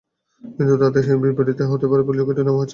কিন্তু তাতে হিতে বিপরীত হতে পারে বলেই ঝুঁকিটা নেওয়া হচ্ছে না।